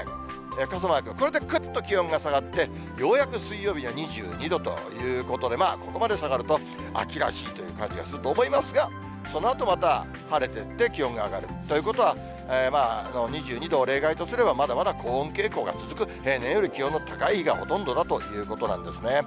傘マーク、これでくっと気温が下がって、ようやく水曜日には２２度ということで、ここまで下がると秋らしいという感じがすると思いますが、そのあとまた晴れてって、気温が上がるということは、２２度を例外とすれば、まだまだ高温傾向が続く、平年より気温の高い日がほとんどだということなんですね。